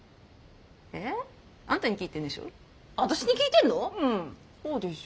ええ？あんたに聞いてんでしょ？